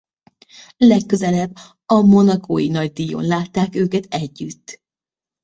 Legközelebb a monacói nagydíjon látták őket együtt.